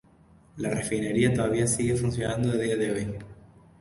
La refinería todavía sigue funcionando a día de hoy.